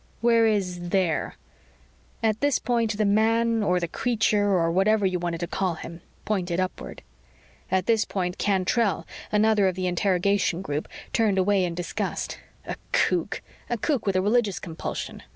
"Where is there?" At this point the man or the creature, or whatever you wanted to call him, pointed upward. At this point, Cantrell, another of the interrogation group, turned away in disgust. "A kook! A kook with a religious compulsion.